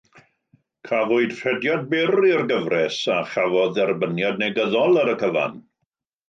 Cafwyd rhediad byr i'r gyfres a chafodd dderbyniad negyddol ar y cyfan.